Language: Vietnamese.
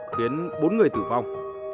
khiến bốn người tử vong